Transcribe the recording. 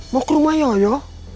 mau ke rumah yoyo